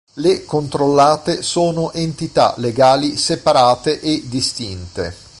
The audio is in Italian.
Le controllate sono entità legali separate e distinte.